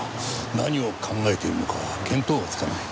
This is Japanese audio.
何を考えているのか見当がつかない。